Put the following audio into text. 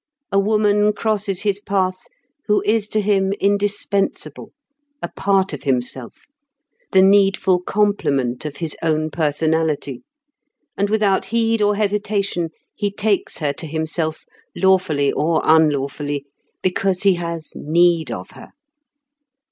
A woman crosses his path who is to him indispensable, a part of himself, the needful complement of his own personality; and without heed or hesitation he takes her to himself, lawfully or unlawfully, because he has need of her.